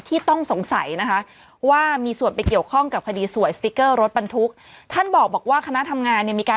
ที่ต้องสงสัยนะคะว่ามีส่วนไปเกี่ยวข้อง